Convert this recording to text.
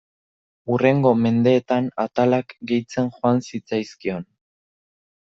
Hurrengo mendeetan atalak gehitzen joan zitzaizkion.